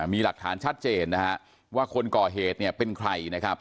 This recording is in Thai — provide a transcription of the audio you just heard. มีหลักฐานชัดเจนนะฮะว่าคนก่อเหตุเนี่ยเป็นใครนะครับ